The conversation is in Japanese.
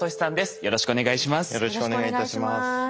よろしくお願いします。